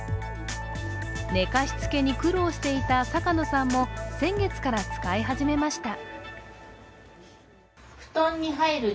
寝かしつけに苦労していた坂野さんも先月から使い始めました。